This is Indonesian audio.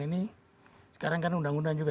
ini sekarang kan undang undang juga